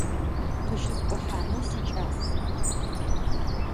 Къыщыскӏухьанэу сикӏас.